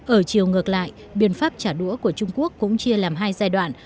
ở chiều ngược lại biện pháp trả đũa của trung quốc cũng chia làm hai giai đoạn